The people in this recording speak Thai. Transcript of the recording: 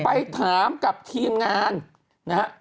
ไปถามกับทีมงานนะฮะ